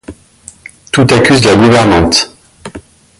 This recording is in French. Tout accuse la gouvernante.